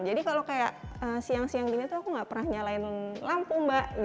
jadi kalau kayak siang siang gini aku nggak pernah nyalain lampu mbak